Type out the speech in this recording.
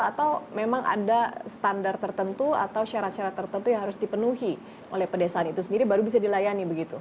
atau memang ada standar tertentu atau syarat syarat tertentu yang harus dipenuhi oleh pedesaan itu sendiri baru bisa dilayani begitu